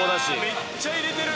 めっちゃ入れてる！